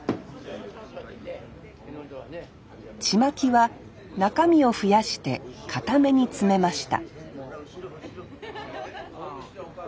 ちまきは中身を増やして固めに詰めました